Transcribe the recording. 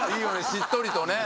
しっとりとね。